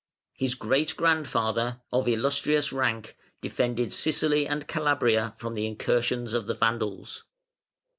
His great grandfather, of "Illustrious" rank, defended Sicily and Calabria from the incursions of the Vandals.